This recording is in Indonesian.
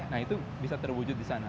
nah itu bisa terwujud di sana